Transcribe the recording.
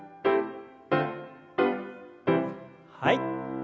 はい。